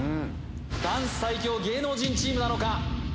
ダンス最強芸能人チームなのか？